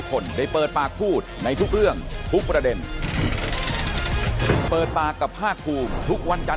ค่ะขอบคุณค่ะขอบคุณค่ะ